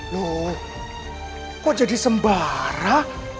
loh kok jadi sembara